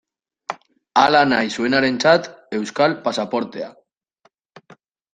Hala nahi zuenarentzat euskal pasaportea.